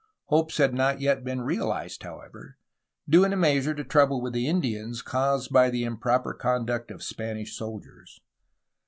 Hopes had not yet been realized, however, due in a measure to trouble with the Indians, caused by the improper conduct of Spanish soldiers.